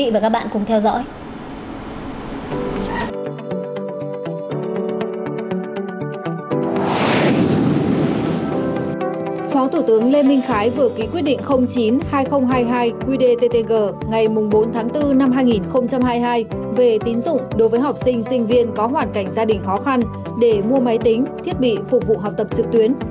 phó thủ tướng lê minh khái vừa ký quyết định chín hai nghìn hai mươi hai qdttg ngày bốn bốn hai nghìn hai mươi hai về tín dụng đối với học sinh sinh viên có hoàn cảnh gia đình khó khăn để mua máy tính thiết bị phục vụ học tập trực tuyến